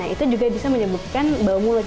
itu juga bisa menyebabkan bau mulut